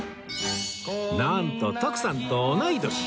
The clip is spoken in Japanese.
なんと徳さんと同い年！